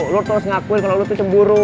lo terus ngakuin kalau lo tuh cemburu